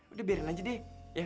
udah biarin aja deh